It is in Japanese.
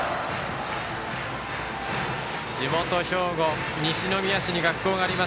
地元・兵庫西宮市に学校があります